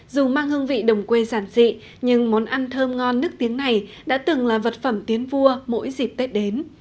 dù mang hương vị đồng quê giản dị nhưng món ăn thơm ngon nước tiếng này đã từng là vật phẩm tiến vua mỗi dịp tết đến